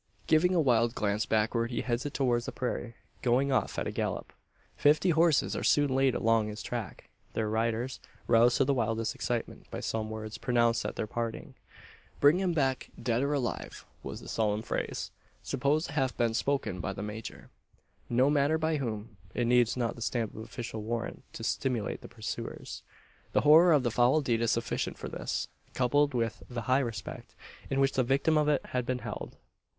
Giving a wild glance backward, he heads it towards the prairie going off at a gallop. Fifty horses are soon laid along his track their riders roused to the wildest excitement by some words pronounced at their parting. "Bring him back dead or alive!" was the solemn phrase, supposed to have been spoken by the major. No matter by whom. It needs not the stamp of official warrant to stimulate the pursuers. Their horror of the foul deed is sufficient for this coupled with the high respect in which the victim of it had been held.